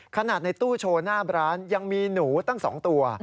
ในตู้โชว์หน้าร้านยังมีหนูตั้ง๒ตัว